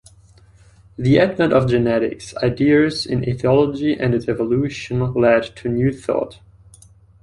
The advent of genetics, ideas in ethology and its evolution led to new thought.